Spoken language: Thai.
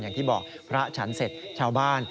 อย่างที่บอกพระฉันเสร็จชาวบ้าน